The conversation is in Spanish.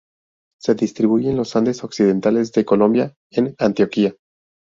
Se distribuye en los Andes occidentales de Colombia, en Antioquia.